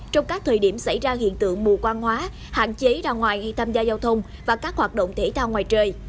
trong các thời điểm xảy ra hiện tượng mù quan hóa hạn chế ra ngoài hay tham gia giao thông và các hoạt động thể thao ngoài trời